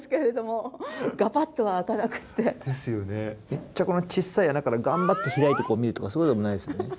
めっちゃこのちっさい穴から頑張って開いてこう見るとかそういうのもないですよね？